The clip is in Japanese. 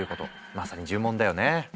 まさに呪文だよね。